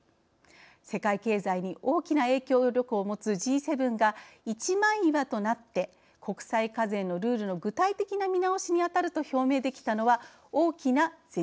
世界経済に大きな影響力を持つＧ７が一枚岩となって国際課税のルールの具体的な見直しにあたると表明できたのは大きな前進です。